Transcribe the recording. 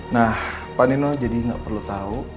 nah pak nino jadi nggak perlu tahu